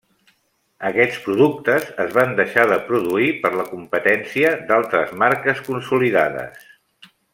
Aquests productes es van deixar de produir per la competència d’altres marques consolidades.